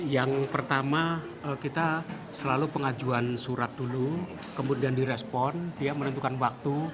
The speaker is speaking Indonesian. yang pertama kita selalu pengajuan surat dulu kemudian direspon dia menentukan waktu